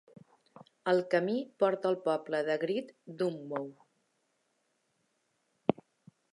El camí porta al poble de Great Dunmow.